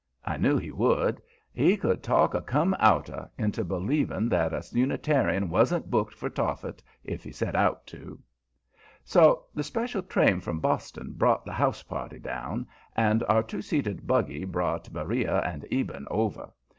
I knew he would; he could talk a Come Outer into believing that a Unitarian wasn't booked for Tophet, if he set out to. So the special train from Boston brought the "house party" down, and our two seated buggy brought Beriah and Eben over.